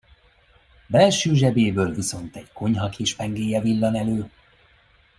Belső zsebéből viszont egy konyhakés pengéje villan elő.